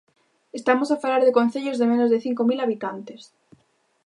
Estamos a falar de concellos de menos de cinco mil habitantes.